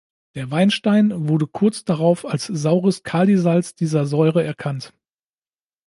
Der Weinstein wurde kurz darauf als saures Kalisalz dieser Säure erkannt.